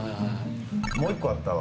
もう一個あったわ。